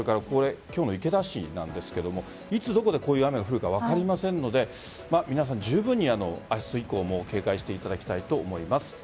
今日の池田市なんですがいつどこで、こういう雨が降るか分かりませんので皆さんじゅうぶんに明日以降も警戒していただきたいと思います。